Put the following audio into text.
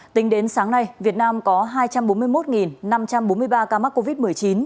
tính đến sáng nay việt nam có hai trăm bốn mươi một năm trăm bốn mươi ba ca mắc covid một mươi chín